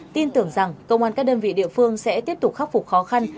tin tưởng rằng công an các đơn vị địa phương sẽ tiếp tục khắc phục khó khăn